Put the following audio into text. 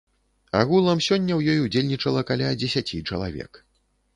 Агулам сёння ў ёй удзельнічала каля дзесяці чалавек.